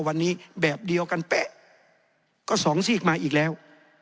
วันนี้แบบเดียวกันเป๊ะก็สองซีกมาอีกแล้ว